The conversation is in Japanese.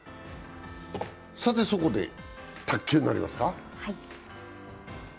さて、そこで卓球になりますか。